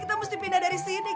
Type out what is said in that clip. aduh ya allah